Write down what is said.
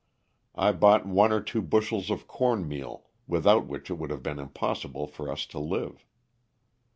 I bought one or two bushels of corn meal without which it would have been impossible for us to live.